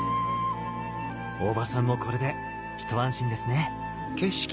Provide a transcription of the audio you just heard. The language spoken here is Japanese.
大場さんもこれでひと安心ですね。